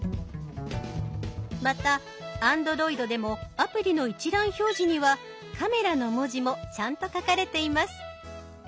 またＡｎｄｒｏｉｄでもアプリの一覧表示には「カメラ」の文字もちゃんと書かれています。